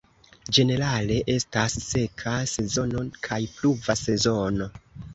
Ĝenerale estas seka sezono kaj pluva sezono.